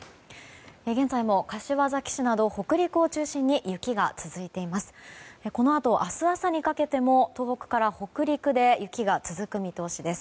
現在も柏崎市など北陸を中心に雪が続いています。